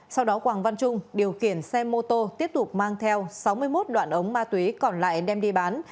sau đó quảng văn trung điều kiển xe mô tô tiếp tục mang theo sáu mươi một đoạn ống ma túy còn lại đem đi bán